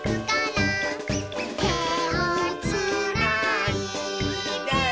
「てをつないで」